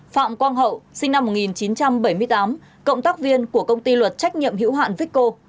phạm quang hậu sinh năm một nghìn chín trăm bảy mươi tám cộng tác viên của công ty luật trách nhiệm hữu hạn vicko